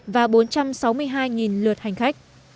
và bốn trăm sáu mươi hai lượt hành khách